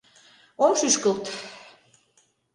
Ом шӱшкылт.